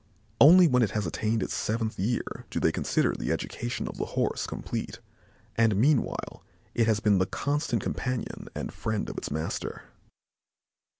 Only when it has attained its seventh year do they consider the education of the Horse complete and meanwhile it has been the constant companion and friend of its master.